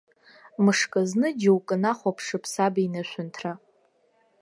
Мышкызны џьоукы нахәаԥшып саб инышәынҭра.